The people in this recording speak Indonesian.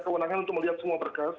kewenangan untuk melihat semua berkas